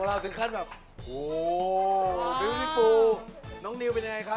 รักประเทศไทยด้วยมั้ยคะ